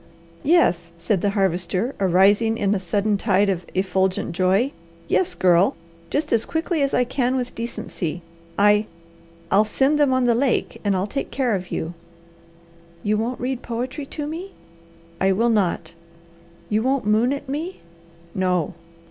"Yes," said the Harvester, arising in a sudden tide of effulgent joy. "Yes, Girl, just as quickly as I can with decency. I I'll send them on the lake, and I'll take care of you." "You won't read poetry to me?" "I will not." "You won't moon at me?" "No!"